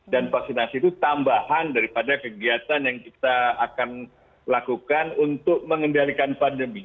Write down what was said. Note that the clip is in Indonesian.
dan vaksinasi itu tambahan daripada kegiatan yang kita akan lakukan untuk mengendalikan pandemi